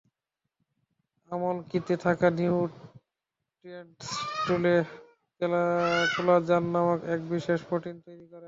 আমলকীতে থাকা নিউট্রিয়েন্টস, চুলে কোলাজেন নামে এক বিশেষ প্রোটিন তৈরি করে।